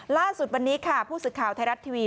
ล่าสุดวันนี้ค่ะผู้สื่อข่าวไทยรัฐทีวี